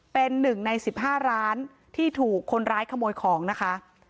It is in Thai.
เป็นหนึ่งใน๑๕ร้านที่ถูกคนร้ายขโมยของนะคะ